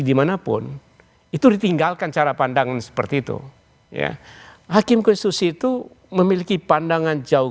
dimanapun itu ditinggalkan cara pandangan seperti itu ya hakim konstitusi itu memiliki pandangan jauh